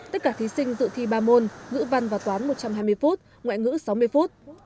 tất cả thí sinh dự thi ba môn ngữ văn và toán một trăm hai mươi phút ngoại ngữ sáu mươi phút